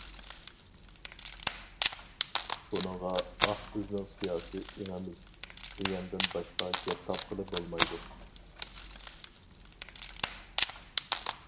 بۇنىڭغا « ئاھ..بىزنىڭ سىياسىي ئېڭىمىز » دېگەندىن باشقا گەپ تاپقىلى بولمايدۇ.